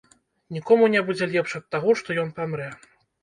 Нікому не будзе лепш ад таго, што ён памрэ.